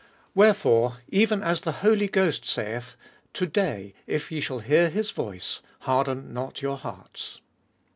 Wherefore, even as the Holy Ghost saith, To day, if ye shall hear His voice, harden not your hearts.